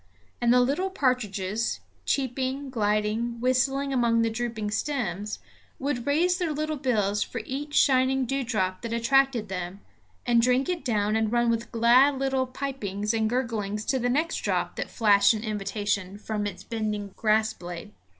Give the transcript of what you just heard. And the little partridges, cheeping, gliding, whistling among the drooping stems, would raise their little bills for each shining dewdrop that attracted them, and drink it down and run with glad little pipings and gurglings to the next drop that flashed an invitation from its bending grass blade.